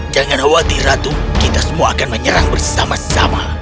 jangan khawatir ratu kita semua akan menyerang bersama sama